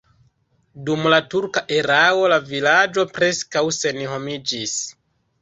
Dum la turka erao la vilaĝo preskaŭ senhomiĝis.